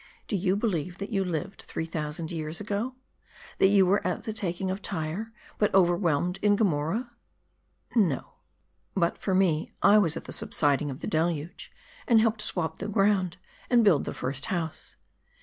Do you believe that you lived three thousand years ago ? That you were at the taking of Tyre, were overwhelmed in Gomorrah ? No. But for me, I was at the subsiding of the Deluge, and helped swab the ground, and build the first house.